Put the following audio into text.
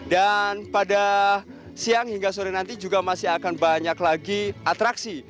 dan pada siang hingga sore nanti juga masih akan banyak lagi atraksi